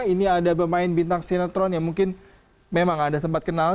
ini ada pemain bintang sinetron yang mungkin memang ada sempat kenal